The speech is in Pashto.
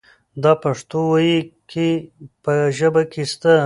دا پښتو وييکي په ژبه کې سته.